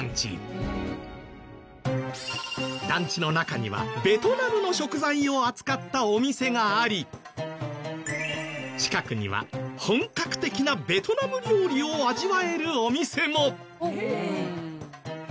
団地の中にはベトナムの食材を扱ったお店があり近くには本格的なベトナム料理を味わえるお店も。